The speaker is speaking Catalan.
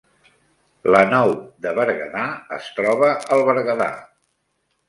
La Nou de Berguedà es troba al Berguedà